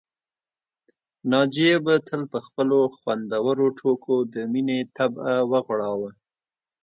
ناجيې به تل په خپلو خوندورو ټوکو د مينې طبع وغوړاوه